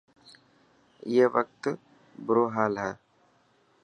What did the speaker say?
اي وقت برو هال هي.